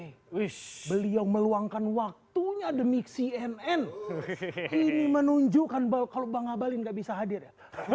tentunya demi cnn ini menunjukkan bau kalau bang abalin nggak bisa hadir ya